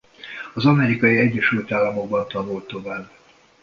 Az Amerikai Egyesült Államokban tanult tovább.